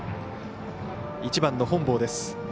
１番の本坊です。